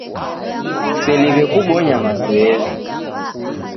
Kuseliwe kubonya mazoezi.